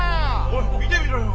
おい見てみろよ。